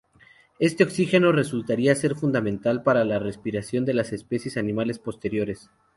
Este oxígeno resultaría ser fundamental para la respiración de las especies animales posteriores.